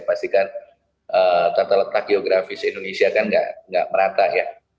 pastikan tata letak geografis indonesia kan nggak merata ya